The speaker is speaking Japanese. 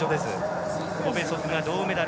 コベソフが銅メダル。